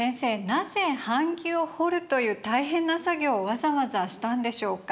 なぜ版木を彫るという大変な作業をわざわざしたんでしょうか。